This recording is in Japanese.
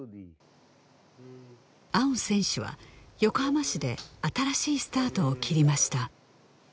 アウン選手は横浜市で新しいスタートを切りました